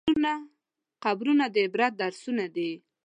قبرونه د عبرت درسونه دي.